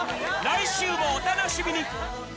来週もお楽しみに！